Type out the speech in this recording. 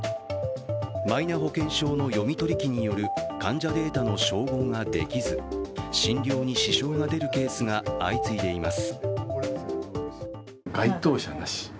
マイナ保険証の読み取り機による患者データの照合ができず診療に支障が出るケースが相次いでいます。